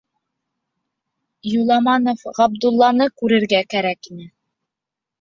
Юламанов Ғабдулланы күрергә кәрәк ине.